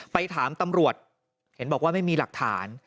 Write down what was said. ไปถามตำรวจเห็นบอกว่าไม่มีหลักฐาน